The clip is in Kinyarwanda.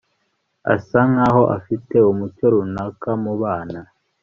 asa nkaho afite umucyo runaka mubana